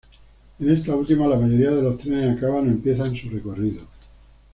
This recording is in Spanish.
En esta última la mayoría de los trenes acaban o empiezan su recorrido.